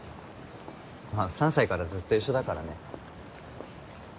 まぁ３歳からずっと一緒だからね。